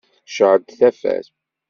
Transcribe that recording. Tecεel-d tafat.